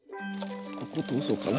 ここ通そうかな。